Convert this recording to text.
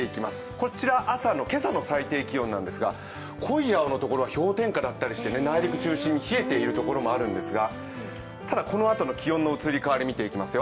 こちら、今朝の最低気温なんですが濃い青のところは氷点下だったりして、内陸中心も冷えているところもあるんですがただこのあとの気温の移り変わり見ていきますよ。